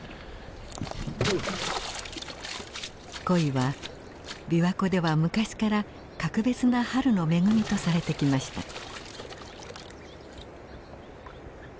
コイは琵琶湖では昔から格別な春の恵みとされてきました。